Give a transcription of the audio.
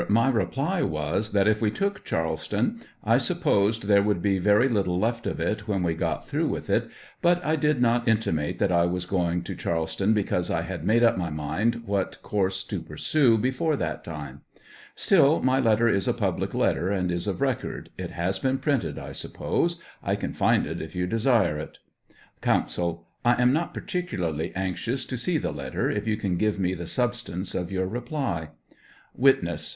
My reply was, that if we took Charleston I sup posed there would be very little left of it when we got through with it, but 1 did not intimate that I was going to Charleston, because I had made up my miud what course to pursue before that time ; still my letter is a public letter, and is of record ; it has been printed, I suppose ; I can find it if you desire it. ' Counsel. I am not particularly anxious to see the letter, if you can give me the substance of your reply. Witness.